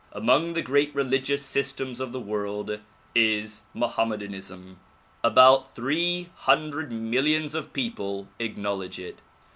Among the great religious systems of the world is Mohammed anism. About three hundred millions of people acknowledge it.